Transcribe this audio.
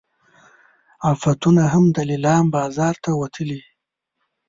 عفتونه هم د لیلام بازار ته وتلي.